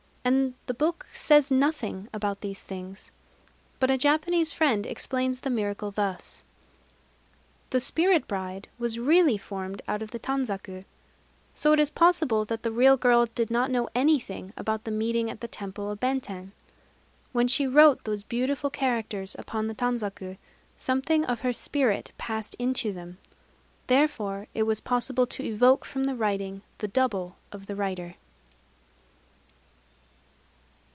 And the book says nothing about these things. But a Japanese friend explains the miracle thus: "The spirit bride was really formed out of the tanzaku. So it is possible that the real girl did not know anything about the meeting at the temple of Benten. When she wrote those beautiful characters upon the tanzaku, something of her spirit passed into them. Therefore it was possible to evoke from the writing the double of the writer."